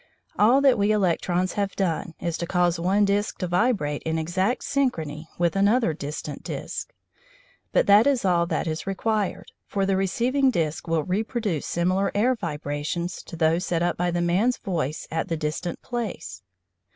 All that we electrons have done is to cause one disc to vibrate in exact synchrony with another distant disc. But that is all that is required, for the receiving disc will reproduce similar air vibrations to those set up by the man's voice at the distant place.